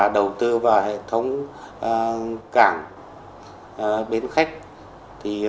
đầu tư vào hệ thống cảng bến khách